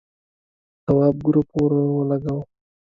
تواب گروپ ور ولگاوه.